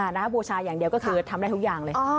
บูชาอย่างเดียวก็คือทำได้ทุกอย่างเลย